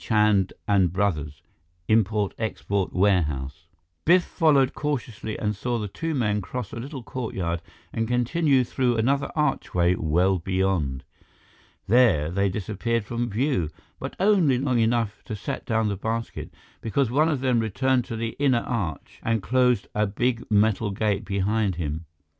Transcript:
CHAND & BROS. Import Export Warehouse Biff followed cautiously and saw the two men cross a little courtyard and continue through another archway well beyond. There they disappeared from view but only long enough to set down the basket, because one of them returned to the inner arch and closed a big metal gate behind him.